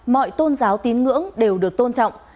mọi tôn giáo tín ngưỡng đều được tôn trọng